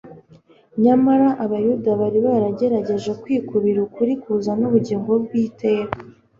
Nyamara abayuda bari baragerageje kwikubira ukuri kuzana ubugingo bw'iteka.